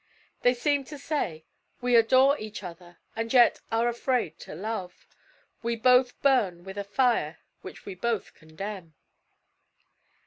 They seemed to say, We adore each other and yet are afraid to love; we both burn with a fire which we both condemn.